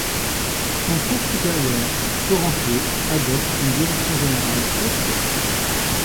Son cours supérieur, torrentueux, adopte une direction générale est-ouest.